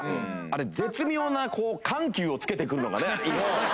あれ絶妙な緩急をつけて来るのがねいいですよね。